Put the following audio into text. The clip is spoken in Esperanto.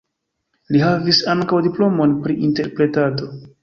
Li havis ankaŭ diplomon pri interpretado.